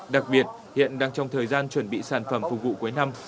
đặc biệt hiện đang trong thời gian chuẩn bị sản phẩm phục vụ cuối năm